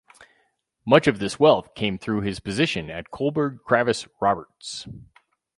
Much of this wealth came through his position at Kohlberg Kravis Roberts.